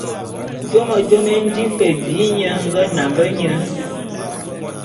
Jôme jôme é nji fe bi nye nge nambe nye.